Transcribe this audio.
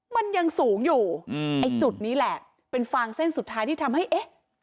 มันยังสูงอยู่อืมไอ้จุดนี้แหละเป็นฟางเส้นสุดท้ายที่ทำให้เอ๊ะ